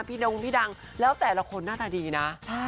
ดงพี่ดังแล้วแต่ละคนหน้าตาดีนะ